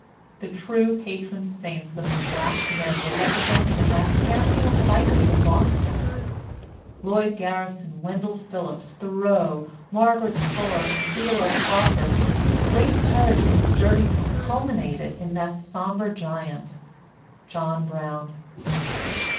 The true patron saints of the black men were represented in that handful of fighters in Boston, Lloyd Garrison, Wendell Phillips, Thoreau, Margaret Fuller, and Theodore Parker, whose great courage and sturdiness culminated in that somber giant, John Brown.